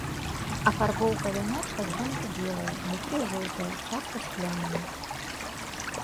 Афарбоўка вяночка звонку белая, унутры жоўтая, часта з плямамі.